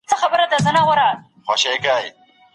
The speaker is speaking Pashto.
سياسي جريانونه تر فکري هغو ژر بدلون مومي.